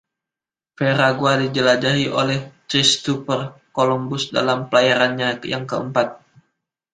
Veragua dijelajahi oleh Christopher Columbus dalam pelayarannya yang keempat.